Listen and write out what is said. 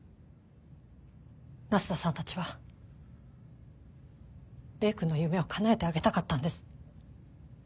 那須田さんたちは礼くんの夢をかなえてあげたかったんです。